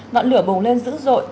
ngọn lửa bùng lên dữ dội